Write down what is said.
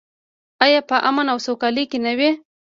آیا په امن او سوکالۍ کې نه وي؟